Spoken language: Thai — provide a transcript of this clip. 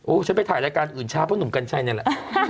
ฉันไปถ่ายรายการอื่นช้าเพราะหนุ่มกัญชัยนี่แหละ